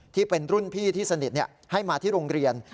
ที่เป็นรุ่นพี่ที่สนิทให้มาที่โรงเรียน